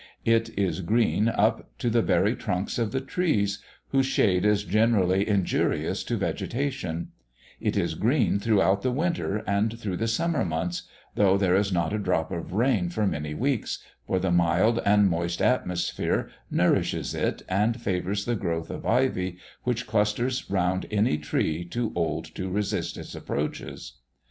It is green up to the very trunks of the trees, whose shade is generally injurious to vegetation; it is green throughout the winter and through the summer months, though there is not a drop of rain for many weeks, for the mild and moist atmosphere nourishes it and favours the growth of ivy which clusters round any tree too old to resist its approaches.